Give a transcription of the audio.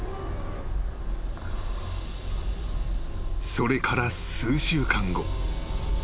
［それから数週間後］